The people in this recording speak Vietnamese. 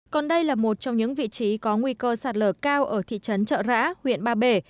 còn đây là một trong những vị trí có nguy cơ sạt lở cao ở thị trấn trợ rã huyện ba bể